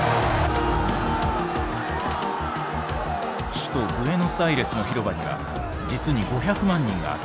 首都ブエノスアイレスの広場には実に５００万人が集まった。